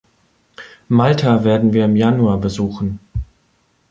Malta werden wir im Januar besuchen.